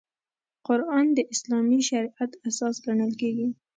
قران د اسلامي شریعت اساس ګڼل کېږي.